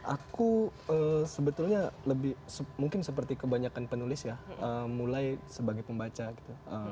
aku sebetulnya lebih mungkin seperti kebanyakan penulis ya mulai sebagai pembaca gitu